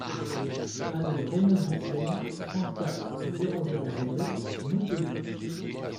Allée Raymond Bussières, trente-quatre, zéro zéro zéro Montpellier